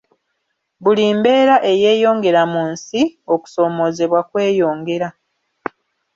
Buli mbeera eyeyongera mu nsi okusoomoozebwa kweyongera.